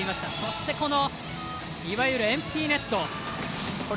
そして、いわゆるエンプティネット。